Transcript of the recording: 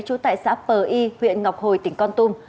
trú tại xã pờ y huyện ngọc hồi tỉnh con tum